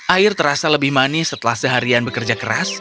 air terasa lebih manis setelah seharian bekerja keras